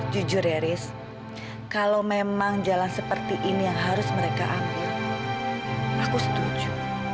jujur ya riz kalau memang jalan seperti ini yang harus mereka ambil aku setuju